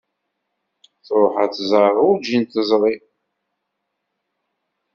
Tṛuḥ ad tẓer, urǧin teẓri.